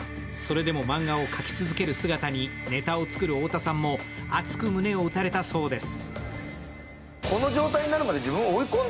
それでも漫画を描き続ける姿に、ネタを作る太田さんも熱く胸を打たれたそうです。